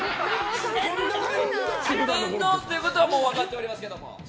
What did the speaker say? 四天王ということは分かっておりますけども。